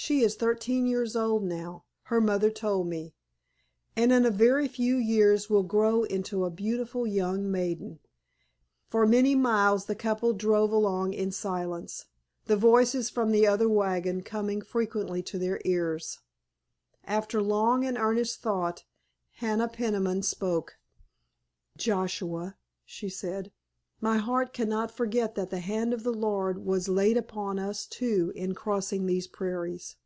She is thirteen years old now, her mother told me, and in a very few years will grow into a beautiful young maiden." For many miles the couple drove along in silence, the voices from the other wagon coming frequently to their ears. After long and earnest thought Hannah Peniman spoke: "Joshua," she said, "my heart cannot forget that the hand of the Lord was laid upon us, too, in crossing these prairies.